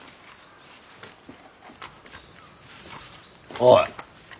おい。